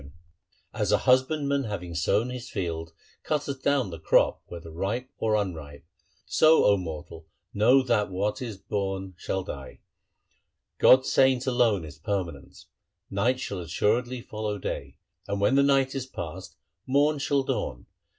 132 LIFE OF GURU HAR GOBIND 133 As a husbandman having sown his field Cutteth down the crop whether ripe or unripe, 1 So, O mortal, know that what is born shall die : God's saint alone is permanent. Night shall assuredly follow day. And when the night is passed, morn shall dawn.